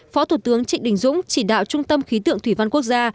phó thủ tướng trịnh đình dũng chỉ đạo trung tâm khí tượng thủy văn quốc gia